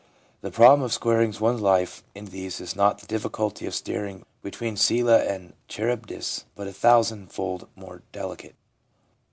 The problem of squaring one's life with these is not the difficulty of steering between Scylla and Charybdis, but a thousandfold more delicate.